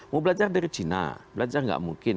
mau belajar dari cina belajar nggak mungkin